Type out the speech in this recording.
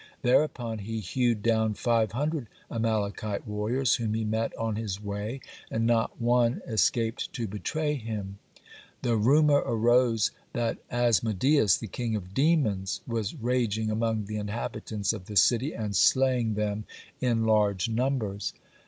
Thereupon he hewed down five hundred Amalekite warriors whom he met on his way, and not one escaped to betray him. The rumor arose that Asmodeus, the king of demons, was raging among the inhabitants of the city, and slaying them in large numbers.